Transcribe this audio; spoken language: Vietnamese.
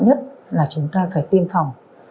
nhất là chúng ta phải tiêm phòng